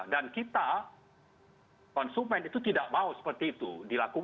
dan kita konsumen itu tidak mau seperti itu